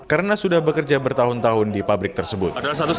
karena sudah bekerja bertahun tahun di pabrik tersebut